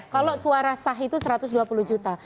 kalau suara sah itu satu ratus dua puluh juta